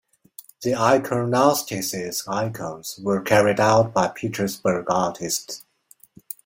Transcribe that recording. The iconostasis' icons were carried out by Petersburg artists.